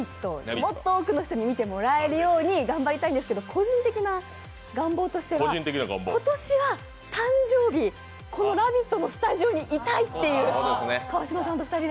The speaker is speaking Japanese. もっと多くの人に見てもらえるように頑張りたいんですけれども個人的な願望としては今年は誕生日、この「ラヴィット！」のスタジオにいたいという川島さんと２人で。